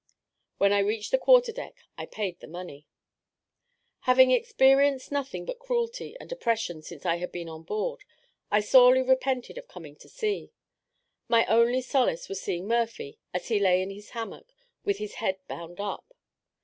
When I reached the quarter deck I paid the money. Having experienced nothing but cruelty and oppression since I had been on board, I sorely repented of coming to sea; my only solace was seeing Murphy, as he lay in his hammock, with his head bound up.